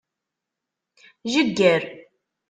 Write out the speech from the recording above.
Jegger.